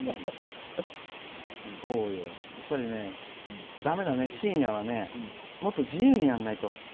やっぱりね深夜はもっと自由にやらないと。